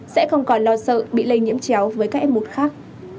sẽ không còn lo sợ bị lây nhiễm chéo với các f một khác